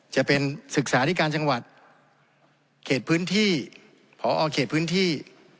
จะเป็นศึกษาธิการจังหวัดเขตพื้นที่พอเขตพื้นที่